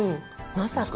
まさか。